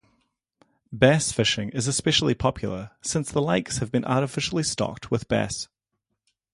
Bass fishing is especially popular, since the lakes have been artificially stocked with bass.